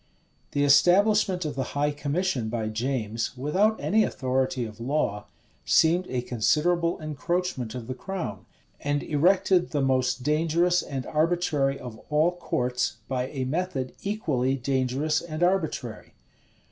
The establishment of the high commission by James, without any authority of law, seemed a considerable encroachment of the crown, and erected the most dangerous and arbitrary of all courts, by a method equally dangerous and arbitrary.